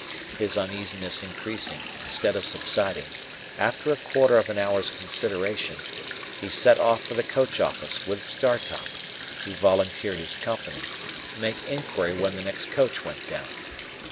His uneasiness increasing instead of subsiding, after a quarter of an hour's consideration, he set off for the coach office with Startop, who volunteered his company, to make inquiry when the next coach went down.